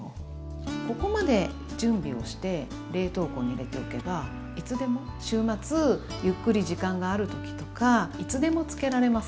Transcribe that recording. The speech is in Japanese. ここまで準備をして冷凍庫に入れておけばいつでも週末ゆっくり時間がある時とかいつでも漬けられますよね。